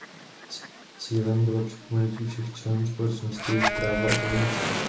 Cílem bylo připomenutí všem členům společnosti jejich práva a povinnosti.